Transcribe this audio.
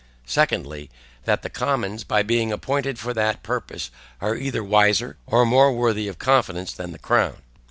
SECONDLY. That the commons, by being appointed for that purpose, are either wiser or more worthy of confidence than the crown.